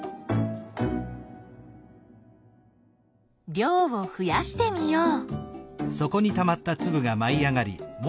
量をふやしてみよう。